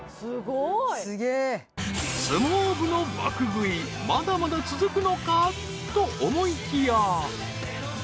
［相撲部の爆食いまだまだ続くのかと思いきや］